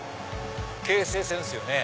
京成線ですよね？